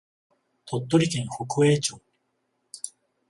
鳥取県北栄町